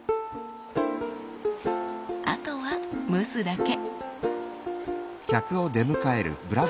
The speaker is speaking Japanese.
あとは蒸すだけ。